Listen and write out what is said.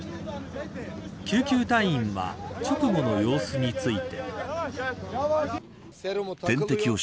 救急隊員は直後の様子について。